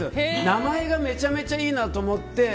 名前がめちゃめちゃいいなと思って。